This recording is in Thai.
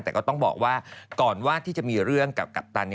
แต่ก็ต้องบอกว่าก่อนว่าที่จะมีเรื่องกับกัปตัน